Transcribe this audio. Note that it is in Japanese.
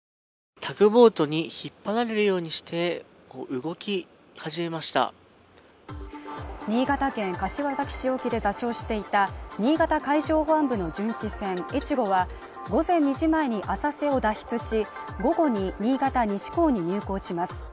タグボートに引っ張られるようにして動き始めました新潟県柏崎市沖で座礁していた新潟海上保安部の巡視船「えちご」は午前２時前に浅瀬を脱出し午後に新潟西港に入港します